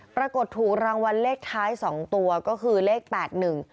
ปรากฏถูกรางวัลเลขท้ายสองตัวก็คือเลขแปดหนึ่ง